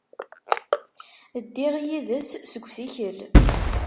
Ddiɣ yid-s deg usikel.